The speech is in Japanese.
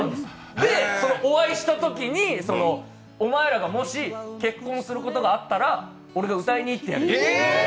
で、お会いしたときに、お前らがもし結婚することがあったら、俺が歌いに行ってやる。